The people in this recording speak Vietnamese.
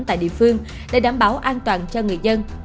tại địa phương để đảm bảo an toàn cho người dân